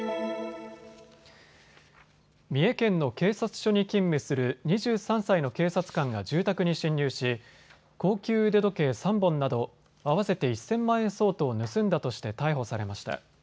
三重県の警察署に勤務する２３歳の警察官が住宅に侵入し高級腕時計３本など合わせて１０００万円相当を盗んだとして逮捕されました。